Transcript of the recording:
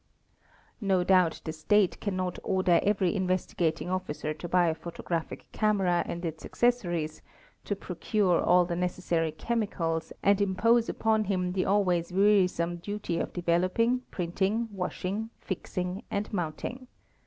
* No _doubt the State cannot order every Investigating Officer to buy a photo graphic camera and its accessories, to procure all the necessary chemicals, ~ and impose upon him the always wearisome duty of developing, printing, washing, fixing, and mounting.